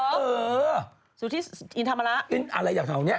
สุธิอินธรรมระอะไรอย่างเข้าเนี้ยโอ่